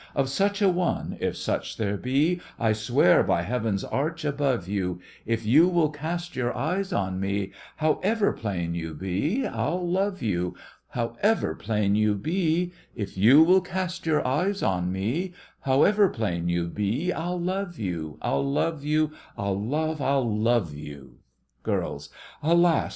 Of such a one, if such there be, I swear by Heaven's arch above you, If you will cast your eyes on me, However plain you be, I'll love you, However plain you be, If you will cast your eyes on me, However plain you be I'll love you, I'll love you, I'll love, I'll love you! GIRLS: Alas!